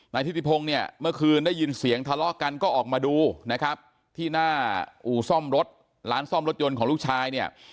ทิติพงศ์เนี่ยเมื่อคืนได้ยินเสียงทะเลาะกันก็ออกมาดูนะครับที่หน้าอู่ซ่อมรถร้านซ่อมรถยนต์ของลูกชายเนี่ย